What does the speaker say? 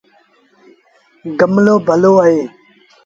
گملو ڀلو اهي۔